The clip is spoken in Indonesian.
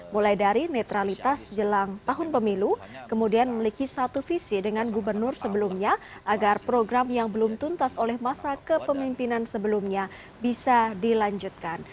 mulai dari netralitas jelang tahun pemilu kemudian memiliki satu visi dengan gubernur sebelumnya agar program yang belum tuntas oleh masa kepemimpinan sebelumnya bisa dilanjutkan